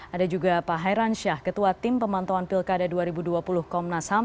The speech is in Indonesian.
ada juga pak hairan syah ketua tim pemantauan pilkada dua ribu dua puluh komnas ham